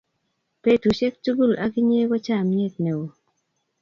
petusiek tugul ak inye ko chamiet neo